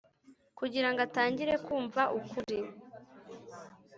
kugira ngo atangire kumva ukuri.